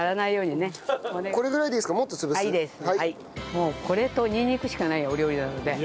もうこれとにんにくしかないお料理なので。